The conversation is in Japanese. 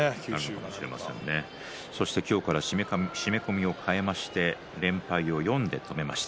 今日から締め込みを替えて連敗を４で止めました。